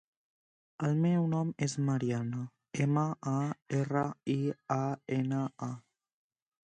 El meu nom és Mariana: ema, a, erra, i, a, ena, a.